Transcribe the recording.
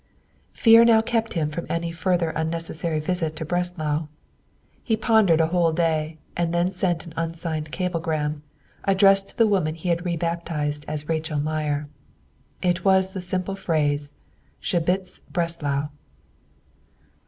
Fear now kept him from any further unnecessary visit to Breslau. He pondered a whole day, and then sent an unsigned cablegram, addressed to the woman he had rebaptized as Rachel Meyer. It was the simple phrase, "Schebitz Breslau."